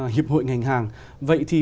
hiệp hội ngành hàng vậy thì